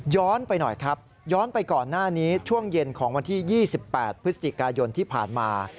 ไปหน่อยครับย้อนไปก่อนหน้านี้ช่วงเย็นของวันที่๒๘พฤศจิกายนที่ผ่านมา